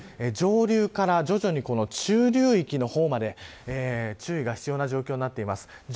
上流から徐々に中流域の方まで注意が必要な状況になっています。